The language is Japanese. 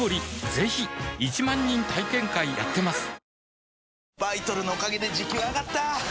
ぜひ１万人体験会やってますはぁ。